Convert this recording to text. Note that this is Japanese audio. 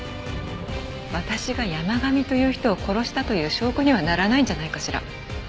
私が山神という人を殺したという証拠にはならないんじゃないかしら？